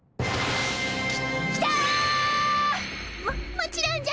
ききた！ももちろんじゃ！